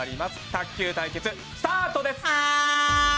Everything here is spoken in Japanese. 卓球対決スタートです。